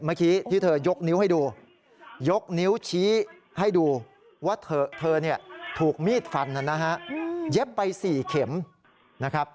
เมื่อกี้ที่เธอยกนิ้วให้ดูยกนิ้วชี้ให้ดูว่าเธอเนี่ยถูกมีดฟันนะฮะเย็บไป๔เข็มนะครับ